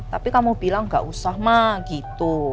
tapi kamu bilang gak usah mah gitu